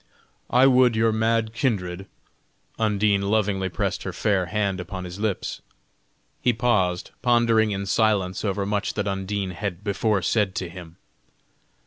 I would your mad kindred" Undine lovingly pressed her fair hand upon his lips. He paused, pondering in silence over much that Undine had before said to him.